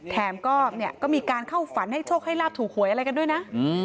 แถมก็มีการเข้าฝันให้โชคให้ลาบถูกหวยอะไรกันด้วยนะ